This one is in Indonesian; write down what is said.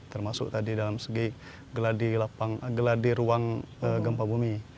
termasuk tadi dalam segi geladi ruang gempa bumi